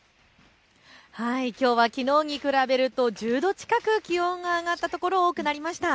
きょうはきのうに比べて１０度近く気温が上がったところが多くなりました。